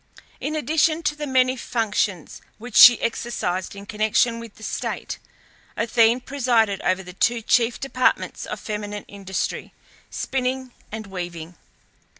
In addition to the many functions which she exercised in connection with the state, Athene presided over the two chief departments of feminine industry, spinning and weaving.